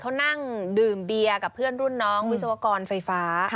เขานั่งดื่มเบียร์กับเพื่อนรุ่นน้องวิศวกรไฟฟ้า